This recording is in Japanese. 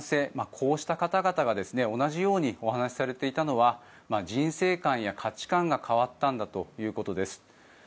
こうした方々が同じようにお話しされていたのは人生観や価値観が変わったんだということです。